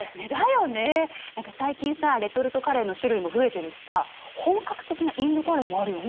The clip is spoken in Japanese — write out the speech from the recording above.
何か最近さレトルトカレーの種類も増えてるしさ本格的なインドカレーもあるよね。